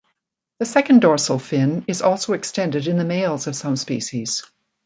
The second dorsal fin is also extended in the males of some species.